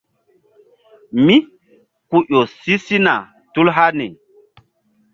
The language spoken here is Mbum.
Mí ku ƴo si sina tul hani.